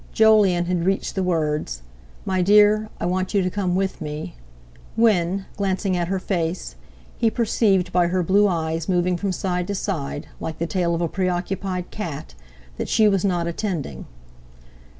Jolyon had reached the words: "My dear, I want you to come with me," when, glancing at her face, he perceived by her blue eyes moving from side to side—like the tail of a preoccupied cat—that she was not attending.